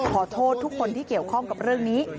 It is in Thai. ขอโทษทุกคนที่เกี่ยวข้องกับเรื่องนี้